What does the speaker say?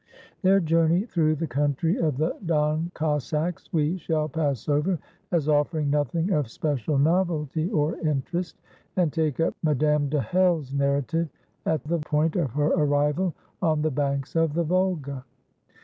Their journey through the country of the Don Cossacks we shall pass over, as offering nothing of special novelty or interest, and take up Madame de Hell's narrative at the point of her arrival on the banks of the Volga.